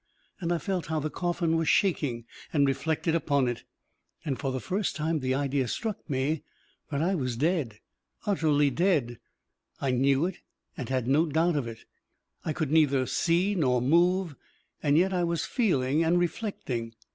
And I felt how the coffin was shaking and reflected upon it, and for the first time the idea struck me that I was dead, utterly dead, I knew it and had no doubt of it, I could neither see nor move and yet I was feeling and reflecting.